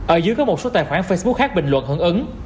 ở dưới có một số tài khoản facebook khác bình luận hưởng ứng